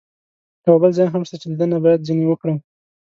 یو بل ځای هم شته چې لیدنه باید ځنې وکړم.